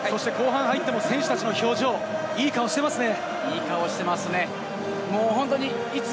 田中さん、後半に入って、もう選手たちの表情、いい顔していますね。